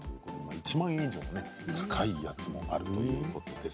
１万円以上の高いものもあるということです。